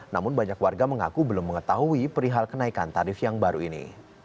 namun banyak warga mengaku belum mengetahui perihal kenaikan tarif yang baru ini